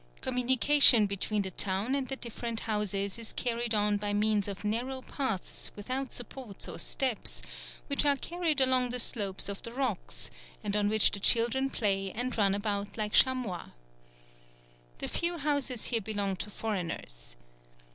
Communication between the town and the different houses is carried on by means of narrow paths without supports or steps, which are carried along the slopes of the rocks, and on which the children play and run about like chamois. The few houses here belong to foreigners.